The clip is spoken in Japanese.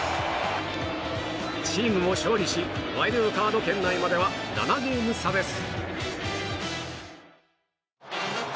チームも勝利しワイルドカード圏内までは７ゲーム差です。